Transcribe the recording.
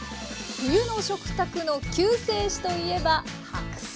冬の食卓の救世主といえば白菜。